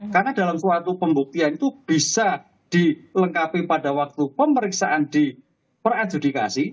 karena dalam suatu pembuktian itu bisa dilengkapi pada waktu pemeriksaan di peradjudikasi